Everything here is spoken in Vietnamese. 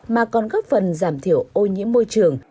mà còn góp phần giảm thiểu ô nhiễm môi trường